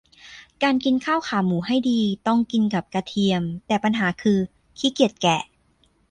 การกินข้าวขาหมูให้ดี ต้องกินกับกระเทียม แต่ปัญหาคือ ขี้เกียจแกะ